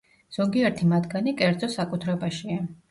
ზოგიერთი მათგანი კერძო საკუთრებაშია.